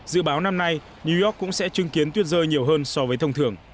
dự báo năm nay new york cũng sẽ chứng kiến tuyết rơi nhiều hơn so với thông thường